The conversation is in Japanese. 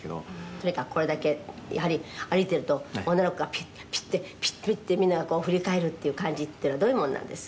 「とにかくこれだけやはり歩いてると女の子がピッピッてピッてみんなが振り返るという感じっていうのはどういうものなんです？」